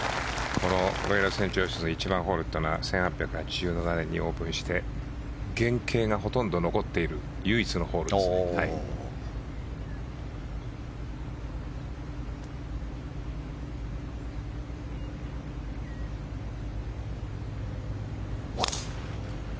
このロイヤル・セントジョージズの１番ホールというのは１８８７年にオープンして原形がほとんど残っている唯一のホールですね。